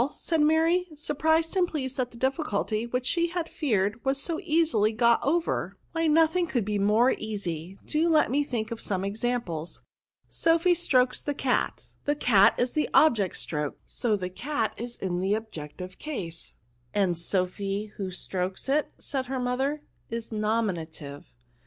said Mary, surprised and pleased that the difficulty, which she had feared, was so easily got over ;" why no thing can be more easy ; do let me think of some examples. Soph}^ strokes the catf the o 146 N0UN5. cat is the object stroked, and so cat is in the objective case/' " And Sophy y who strokes it," said her mother, " is nominative."